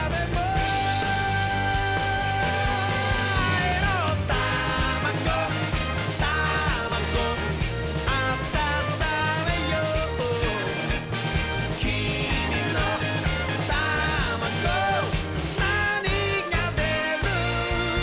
「あいのタマゴタマゴ」「あたためよう」「きみのタマゴなにがでる？」